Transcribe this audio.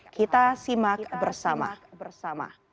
kita simak bersama